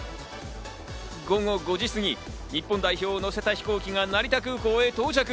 午後５時過ぎ、日本代表を乗せた飛行機が成田空港へ到着。